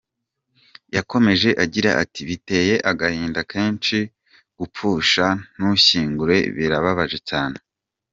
Yakomeje agira ati “Biteye agahinda kenshi gupfusha ntushyingure, birababaje cyane.